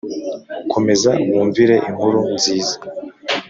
komeza wumvire inkuru nziza